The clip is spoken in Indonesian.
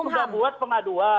kami sudah buat pengaduan